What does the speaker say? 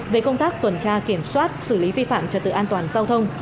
về công tác tuần tra kiểm soát xử lý vi phạm trật tự an toàn giao thông